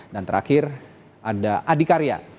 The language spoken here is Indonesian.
dan terakhir ada adikarya